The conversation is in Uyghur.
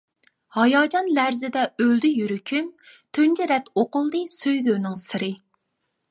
ھاياجان لەرزىدە ئۆلدى يۈرىكىم، تۇنجى رەت ئوقۇلدى سۆيگۈنىڭ سىرى.